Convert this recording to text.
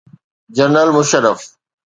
General Musharraf.